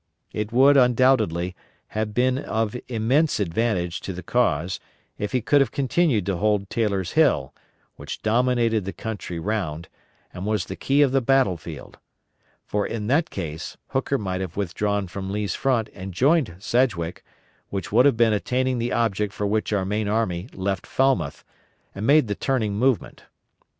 It would, undoubtedly, have been of immense advantage to the cause if he could have continued to hold Taylor's Hill, which dominated the country round, and was the key of the battle field; for in that case Hooker might have withdrawn from Lee's front and joined Sedgwick, which would have been attaining the object for which our main army left Falmouth, and made the turning movement.